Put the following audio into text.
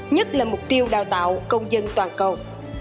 nhất là mục tiêu đào tạo công dân toàn cầu